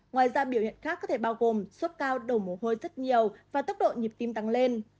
ngoài ra biểu hiện khác có thể bao gồm sốt cao đổ mồ hôi rất nhiều và tốc độ nhịp tim tăng lên